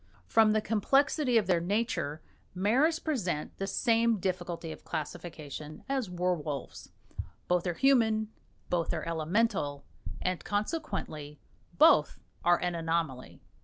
From the complexity of their nature, maras present the same difficulty of classification as werwolves both are human, both are Elemental, and consequently both are an anomaly.